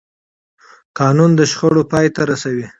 قانون د شخړو پای ته رسوي